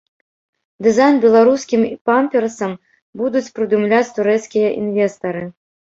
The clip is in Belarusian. Дызайн беларускім памперсам будуць прыдумляць турэцкія інвестары.